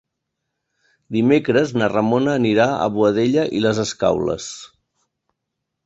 Dimecres na Ramona anirà a Boadella i les Escaules.